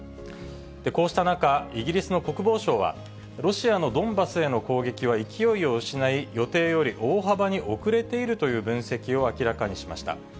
こうした中、イギリスの国防省は、ロシアのドンバスへの攻撃は勢いを失い、予定より大幅に遅れているという分析を明らかにしました。